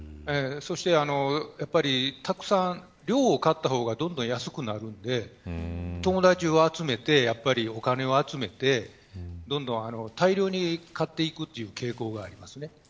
そして、たくさん量を買った方が安くなるので友達を集めて、お金を集めて大量に買っていくという傾向がありますね。